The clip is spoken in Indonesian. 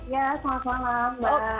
ya selamat malam mbak